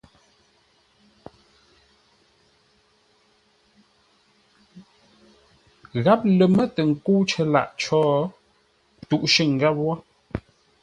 Gháp lər mə́ tə nkə́u cər lâʼ có tûʼ shʉ̂ŋ gháp wó.